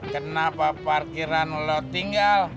kenapa parkiran lo tinggal